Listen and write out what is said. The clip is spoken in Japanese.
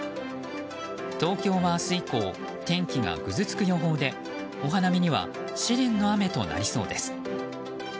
東京は明日以降天気がぐずつく予報でお花見には試練の雨となりそうです。